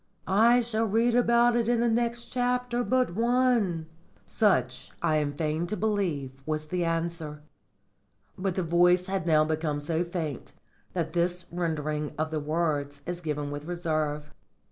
"I shall read about that in the next chapter but one." Such, I am fain to believe, was the answer. But the voice had now become so faint that this rendering of the words is given with reserve.